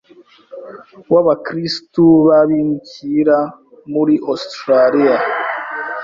w’abakirisitu b’abimukira muri Ostraliya.